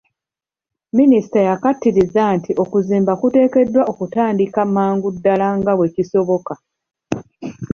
Minisita yakkaatiriza nti okuzimba kuteekeddwa okutandika mangu ddaala nga bwe kisoboka.